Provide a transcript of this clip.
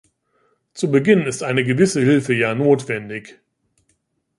Zu Beginn ist eine gewisse Hilfe ja notwendig.